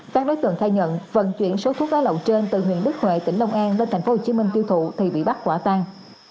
các đối tượng khai nhận vận chuyển số thuốc lá lậu trên từ huyện đức huệ tỉnh long an lên tp hcm tiêu thụ thì bị bắt quả tang